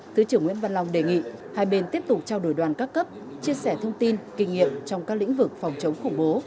thứ trưởng nguyễn văn long đề nghị hai bên tiếp tục trao đổi đoàn các cấp chia sẻ thông tin kinh nghiệm trong các lĩnh vực phòng chống khủng bố